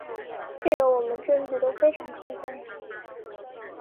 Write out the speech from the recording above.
这个我们证据都非常充分呀。